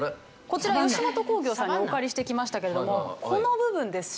こちら吉本興業さんにお借りしてきましたけれどもこの部分です。